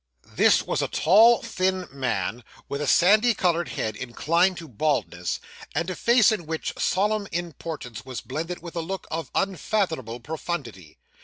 This was a tall, thin man, with a sandy coloured head inclined to baldness, and a face in which solemn importance was blended with a look of unfathomable profundity.